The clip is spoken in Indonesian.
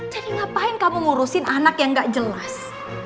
ngapain kamu ngurusin anak yang gak jelas